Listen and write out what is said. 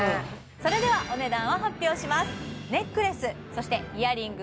それではお値段を発表します